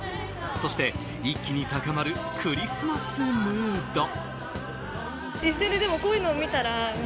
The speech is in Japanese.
そして、一気に高まるクリスマスムード。